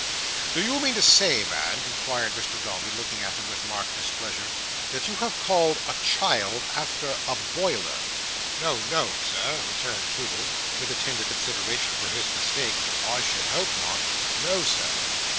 "Do you mean to say, Man," inquired Mr Dombey; looking at him with marked displeasure, "that you have called a child after a boiler?" "No, no, Sir," returned Toodle, with a tender consideration for his mistake. "I should hope not! No, Sir.